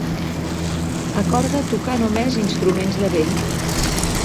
Acorda tocar només instruments de vent.